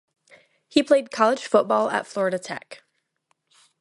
He played college football at Florida Tech.